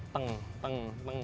teng teng teng